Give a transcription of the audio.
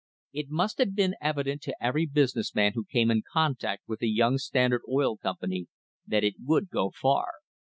It must have been evident to every business man who came in contact with the young Standard Oil Company that it would go far.